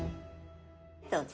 どうぞ。